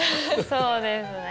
そうですね。